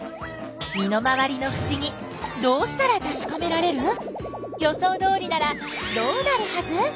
身の回りのふしぎどうしたらたしかめられる？予想どおりならどうなるはず？